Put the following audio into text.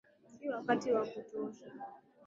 Si wakati wa kutosha.